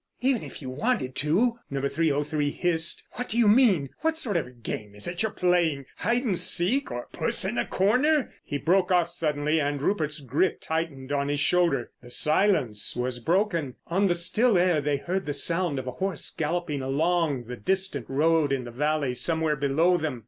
"Even if you wanted to!" No. 303 hissed. "What do you mean? What sort of game is it you're playing—Hide and Seek, or Puss in the Corner?" He broke off suddenly, and Rupert's grip tightened on his shoulder. The silence was broken. On the still air they heard the sound of a horse galloping along the distant road in the valley somewhere below them.